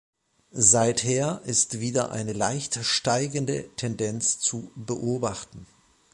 Seither ist wieder eine leicht steigende Tendenz zu beobachten.